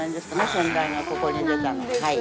先代がここに出たのが。